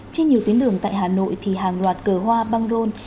trên nhiều tuyến đường tại hà nội thì hàng loạt cờ hoa băng rôn